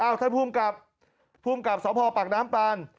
ท่านภูมิกับภูมิกับสพปากน้ำปาน